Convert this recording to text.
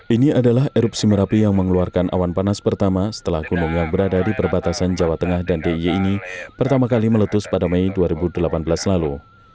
ini adalah erupsi merapi yang mengeluarkan awan panas pertama setelah gunung yang berada di perbatasan jawa tengah dan d i y ini pertama kali meletus pada mei dua ribu delapan belas lalu